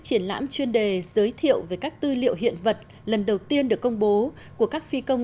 triển lãm chuyên đề giới thiệu về các tư liệu hiện vật lần đầu tiên được công bố của các phi công